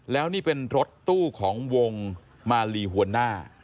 แล้วนี่เป็นรถตู้ของวงมาลีหัวหน้า